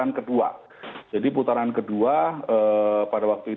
misalnya delapan tahun tadi